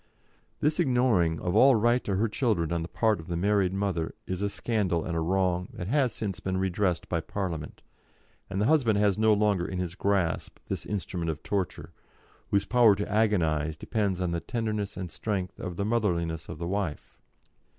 This ignoring of all right to her children on the part of the married mother is a scandal and a wrong that has since been redressed by Parliament, and the husband has no longer in his grasp this instrument of torture, whose power to agonise depends on the tenderness and strength of the motherliness of the wife.